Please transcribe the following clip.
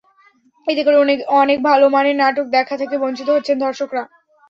এতে করে অনেক ভালো মানের নাটক দেখা থেকে বঞ্চিত হচ্ছেন দর্শকেরা।